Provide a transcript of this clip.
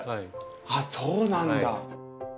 あっそうなんだ。